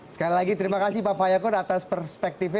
sekali lagi terima kasih pak pak ayako atas perspektifnya